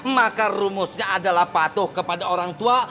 maka rumusnya adalah patuh kepada orang tua